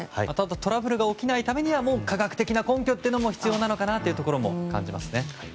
トラブルが起きないために科学的な根拠が必要なのかとも感じますね。